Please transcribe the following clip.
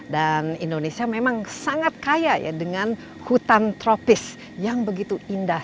dan indonesia memang sangat kaya ya dengan hutan tropis yang begitu indah